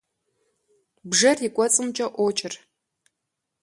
Бжэр и кӏуэцӏымкӏэ ӏуокӏыр.